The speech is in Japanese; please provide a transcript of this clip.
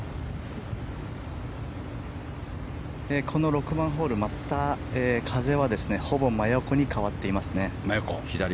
この６番ホールまた、風はほぼ真横に変わっていますね。